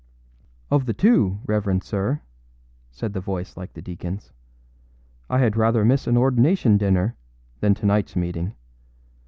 âOf the two, reverend sir,â said the voice like the deaconâs, âI had rather miss an ordination dinner than to nightâs meeting.